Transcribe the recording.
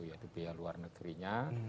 yaitu biaya luar negerinya